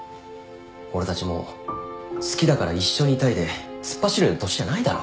俺たちもう「好きだから一緒にいたい」で突っ走るような年じゃないだろ。